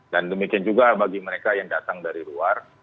dan demikian juga bagi mereka yang datang dari luar